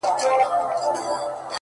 اوس هم زما د وجود ټوله پرهرونه وايي؛